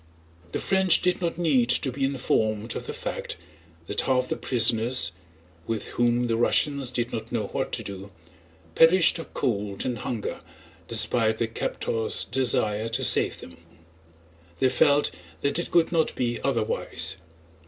The French did not need to be informed of the fact that half the prisoners—with whom the Russians did not know what to do—perished of cold and hunger despite their captors' desire to save them; they felt that it could not be otherwise.